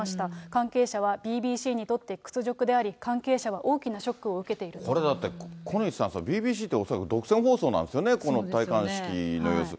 関係者はＢＢＣにとって屈辱であり、関係者は大きなショックを受これ、だって小西さん、ＢＢＣって、恐らく独占放送なんですよね、この戴冠式の様子。